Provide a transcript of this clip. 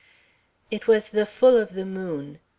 It was the full of the moon.